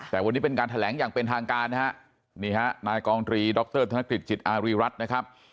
แต่วันนี้เป็นการแถลงอย่างเป็นทางการนะฮะนี่ฮะนายกองตรีดรธนกฤษจิตอารีรัฐนะครับ